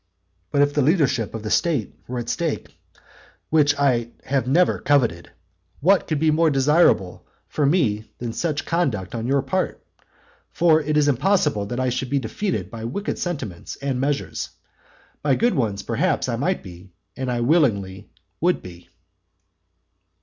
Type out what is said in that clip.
But if the leadership of the state were at stake, which I have never coveted, what could be more desirable for me than such conduct on your part? For it is impossible that I should be defeated by wicked sentiments and measures, by good ones perhaps I might be, and I willingly would be.